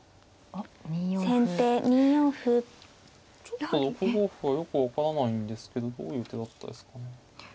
ちょっと６五歩はよく分からないんですけどどういう手だったですかね。